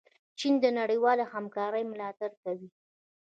چین د نړیوالې همکارۍ ملاتړ کوي.